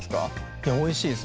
いやおいしいですね。